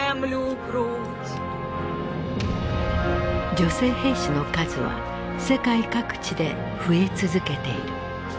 女性兵士の数は世界各地で増え続けている。